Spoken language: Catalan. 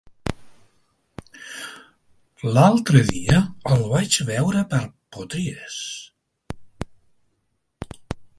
L'altre dia el vaig veure per Potries.